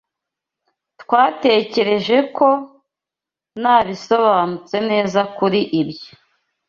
Twatekereje ko nabisobanutse neza kuri ibyo.